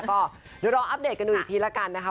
ก็เดี๋ยวรออัปเดตกันดูอีกทีละกันนะคะ